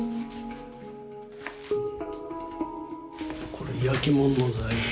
これ焼きもんの材料。